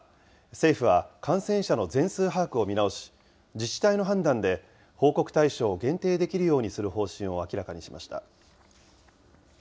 政府は、感染者の全数把握を見直し、自治体の判断で報告対象を限定できるようにする方針を明らかにしました。